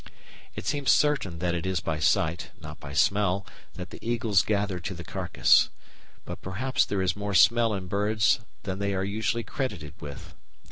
It seems certain that it is by sight, not by smell, that the eagles gather to the carcass; but perhaps there is more smell in birds than they are usually credited with.